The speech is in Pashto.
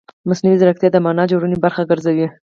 مصنوعي ځیرکتیا د معنا جوړونې برخه ګرځي.